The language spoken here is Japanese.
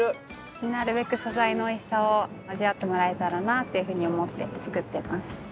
なるべく素材の美味しさを味わってもらえたらなっていうふうに思って作ってます。